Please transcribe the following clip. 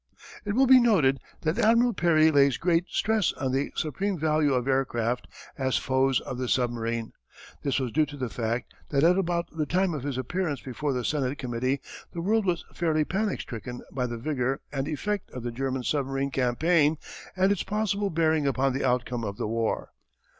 It will be noted that Admiral Peary lays great stress on the supreme value of aircraft as foes of the submarine. This was due to the fact that at about the time of his appearance before the Senate Committee the world was fairly panic stricken by the vigour and effect of the German submarine campaign and its possible bearing upon the outcome of the war.